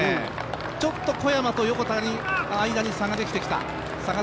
ちょっと小山と横田の間に差ができてきた。